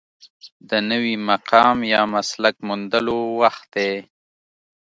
د نوي مقام یا مسلک موندلو وخت دی.